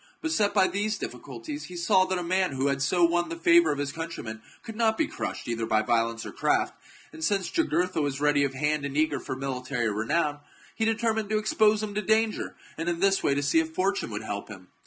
Beset by these difficulties, he saw that a man who chap. had so won the favour of his countrymen could not be crushed either by violence or craft, and since Jugur tha was ready of hand and eager for military renown, he determined to expose him to danger, and in this way to see if fortune would help him.